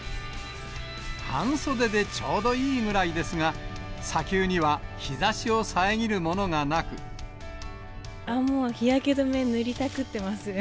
半袖でちょうどいいぐらいですが、ああ、もう日焼け止め塗りたくってます。